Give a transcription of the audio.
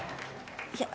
いや。